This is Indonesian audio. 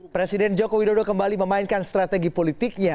presiden joko widodo kembali memainkan strategi politiknya